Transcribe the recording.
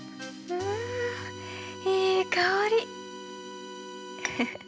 うんいい香り。